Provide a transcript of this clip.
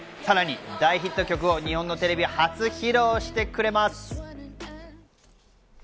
さらに大ヒット曲を日本のテレビ初披露してくれます。